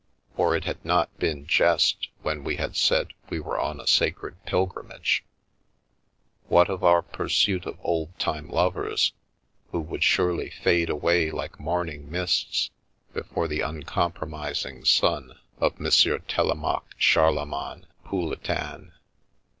For it had not been jest when we had said we were on a sacred pil grimage — what of our pursuit of old time lovers, who would surely fade away like morning mists before the uncompromising sun of M. Telemaque Charlemagne Pouletin